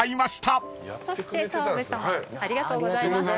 ありがとうございます。